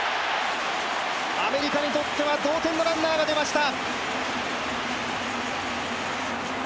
アメリカにとっては同点のランナーが出ました。